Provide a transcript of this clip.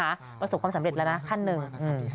ประสบความสำเร็จแล้วนะขั้นหนึ่ง